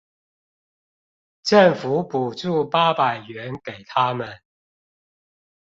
政府補助八百元給他們